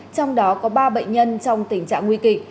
trong đó có ba bệnh nhân trong tình trạng nguy kịch